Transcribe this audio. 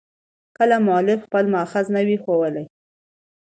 کله مؤلف خپل مأخذ نه يي ښولى.